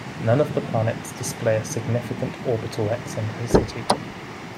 None of the planets display a significant orbital eccentricity.